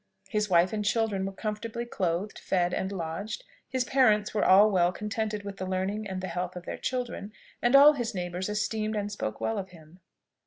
His wife and children were comfortably clothed, fed, and lodged; his "parents" were all well contented with the learning and the health of their children, and all his neighbours esteemed and spoke well of him.